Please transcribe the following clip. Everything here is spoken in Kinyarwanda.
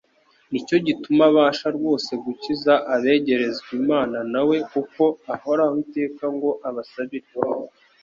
Nicyo gituma abasha rwose gukiza abegerezwa Imana na we kuko ahoraho iteka ngo abasabire"."